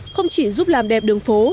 không chỉ giúp làm đẹp đường phố